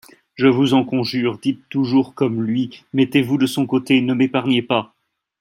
Je vous en conjure, dites toujours comme lui, mettez-vous de son côté, ne m'épargnez pas.